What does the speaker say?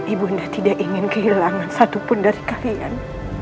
ibu nde tidak ingin kehilangan satupun dari kalian